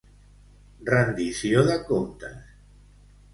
Rendició de comptes.